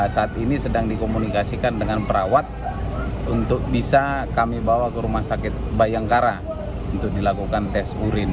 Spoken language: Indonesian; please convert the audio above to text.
saat ini sedang dikomunikasikan dengan perawat untuk bisa kami bawa ke rumah sakit bayangkara untuk dilakukan tes urin